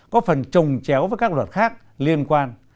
có phần trồng chéo với các luật khác liên quan